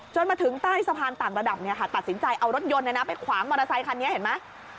มาถึงใต้สะพานต่างระดับตัดสินใจเอารถยนต์ไปขวางมอเตอร์ไซคันนี้เห็นไหม